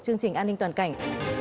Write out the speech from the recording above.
chương trình an ninh toàn cảnh